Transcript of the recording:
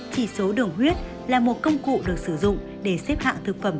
chỉ số đường huyết là một công cụ được sử dụng để xếp hạng thực phẩm